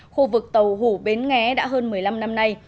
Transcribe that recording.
khu vực tàu hủ bến nghé đã hơn một mươi năm năm nay